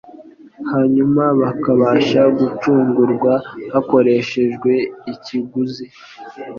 hanyuma bakabasha gucungurwa hakoreshejwe ikiguz